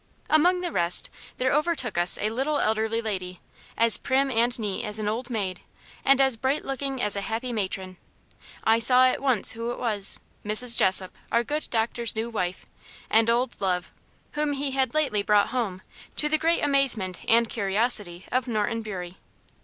Among the rest there overtook us a little elderly lady, as prim and neat as an old maid, and as bright looking as a happy matron. I saw at once who it was Mrs. Jessop, our good doctor's new wife, and old love: whom he had lately brought home, to the great amazement and curiosity of Norton Bury.